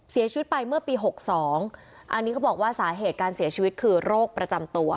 เสียชีวิตไปเมื่อปี๖๒อันนี้เขาบอกว่าสาเหตุการเสียชีวิตคือโรคประจำตัว